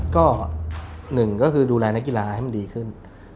ก็หนึ่งก็คือดูแลนักกีฬาให้มันดีขึ้น